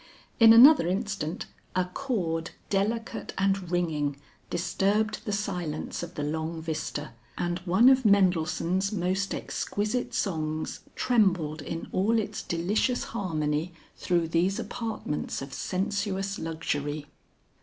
In another instant, a chord delicate and ringing, disturbed the silence of the long vista, and one of Mendelssohn's most exquisite songs trembled in all its delicious harmony through these apartments of sensuous luxury.